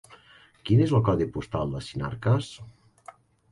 Quin és el codi postal de Sinarques?